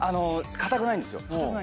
硬くないんですよ。